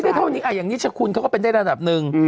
ไม่ได้เข้าทีอย่างยิชคุนเขาก็เป็นก็ได้ระดับหนึ่ง